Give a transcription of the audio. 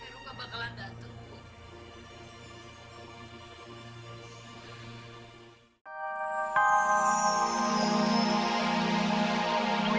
heru gak bakalan datang bu